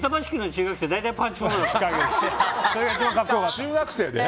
中学生で？